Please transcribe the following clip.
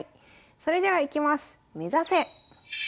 それではいきます。